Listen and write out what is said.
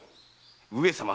上様。